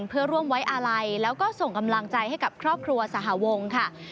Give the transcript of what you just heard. เพื่อร่วมไว้อาลัยแล้วก็ส่งกำลังใจให้กับครอบครัวสหวงค่ะ